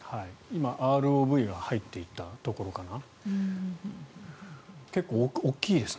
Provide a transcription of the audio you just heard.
今、ＲＯＶが入っていったところかな。